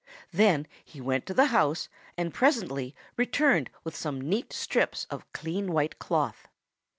Then he went to the house and presently returned with some neat strips of clean white cloth.